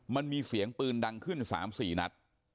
มันมีเสียงปืนดังขึ้น๓๔นัด